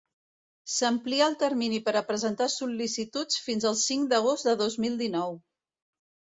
S'amplia el termini per a presentar sol·licituds fins al cinc d'agost de dos mil dinou.